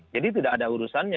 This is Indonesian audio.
jadi tidak ada urusannya